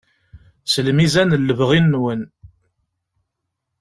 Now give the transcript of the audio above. S lmizan n lebɣi-nwen.